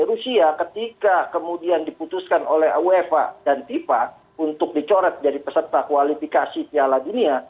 rusia ketika kemudian diputuskan oleh uefa dan fifa untuk dicoret jadi peserta kualifikasi piala dunia